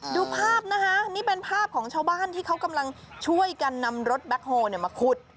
ดูภาพนะคะนี่เป็นภาพของชาวบ้านที่เขากำลังช่วยกันนำรถแบ็คโฮลมาขุด